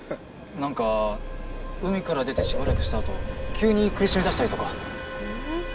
なんか海から出てしばらくしたあと急に苦しみだしたりとか。